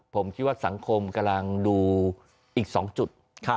ผมคิดว่าสังคมกำลังดูอีก๒จุด